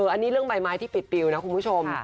อันนี้เรื่องใบไม้ที่ปิดปิวนะคุณผู้ชม